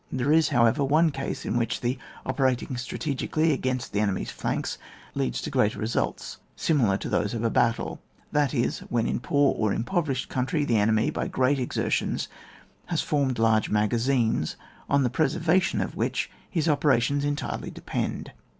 There is, however, one case in which the operating strategically against the enemy's flanks leads to great results, similar to those of a battle ; that is, when in a poor or impoverished country the enemy, by great exertions, has formed large maga 2ines, on the preservation of which his operations entirely depend.